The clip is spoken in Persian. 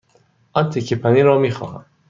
آن تکه پنیر را می خواهم.